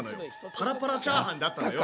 パラパラチャーハンだったのよ。